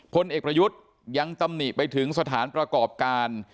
พลเอกประยุทธ์ยังตำหนิไปถึงสถานประกอบการ